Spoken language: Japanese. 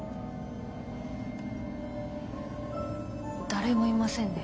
誰もいませんね。